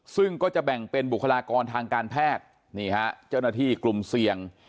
ซึ่งก็จะแบ่งเป็นบุคลากรทางการแพทย์นี่ฮะเจ้าหน้าที่กลุ่มเสี่ยง